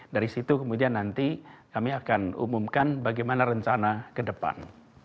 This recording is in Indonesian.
dari situ kemudian nanti kami akan umumkan bagaimana rencana ke depan